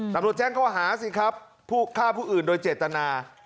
ตามทวดแจ้งเขาขาสิครับฆ่าผู้อื่นโดยเจตนา